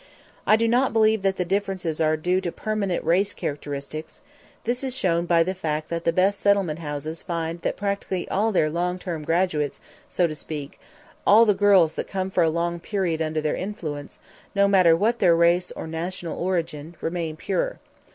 I do not believe that the differences are due to permanent race characteristics; this is shown by the fact that the best settlement houses find that practically all their "long term graduates," so to speak, all the girls that come for a long period under their influence, no matter what their race or national origin, remain pure.